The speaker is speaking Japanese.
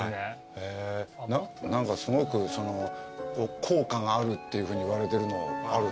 何かすごく効果があるっていうふうにいわれてるのあるんすか。